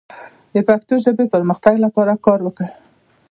د پښتو ژبې د پرمختګ لپاره کار وکړئ.